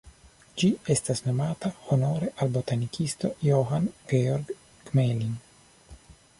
Ĝi estas nomata honore al botanikisto Johann Georg Gmelin.